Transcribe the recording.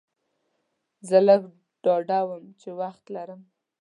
زه لږ ډاډه وم چې وخت لرم.